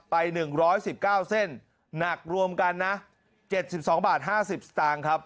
ไปหนึ่งร้อยสิบเก้าเส้นหนักรวมกันนะเจ็ดสิบสองบาทห้าสิบสตางค์ครับ